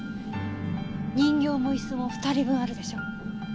人形もイスも二人分あるでしょ。